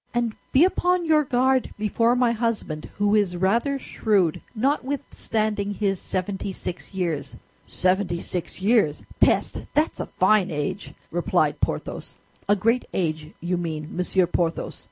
"And be upon your guard before my husband, who is rather shrewd, notwithstanding his seventy six years." "Seventy six years! Peste! That's a fine age!" replied Porthos. "A great age, you mean, Monsieur Porthos.